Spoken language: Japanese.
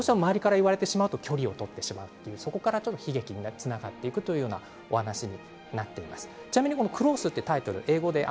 どうしても周りから言われてしまうと距離を取ってしまうそこから悲劇につながっていくというお話になっています。